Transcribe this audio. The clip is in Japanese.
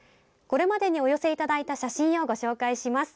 これまでにお寄せいただいた写真をご紹介します。